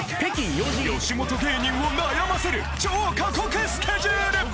吉本芸人を悩ませる超過酷スケジュール！